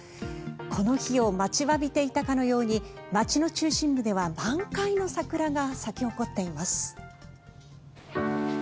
この日を待ちわびていたかのように町の中心部では満開の桜が咲き誇っています。